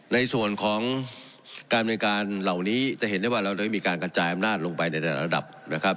ในส่วนของการบริการเหล่านี้จะเห็นได้ว่าเราได้มีการกระจายอำนาจลงไปในแต่ละระดับนะครับ